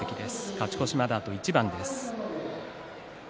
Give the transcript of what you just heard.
勝ち越しまで、あと一番です。